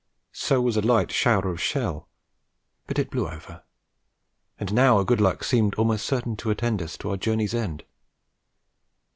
So was a light shower of shell; but it blew over; and now our good luck seemed almost certain to attend us to our journey's end.